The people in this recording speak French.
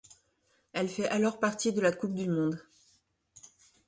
Elle fait alors partie de la Coupe du monde.